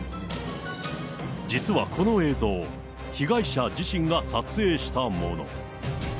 実はこの映像、被害者自身が撮影したもの。